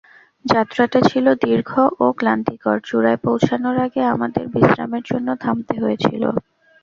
যাত্রাটা ছিল দীর্ঘ ও ক্লান্তিকর, চূড়ায় পৌঁছানোর আগে আমাদের বিশ্রামের জন্য থামতে হয়েছিল।